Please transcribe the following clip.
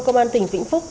công an tỉnh vĩnh phúc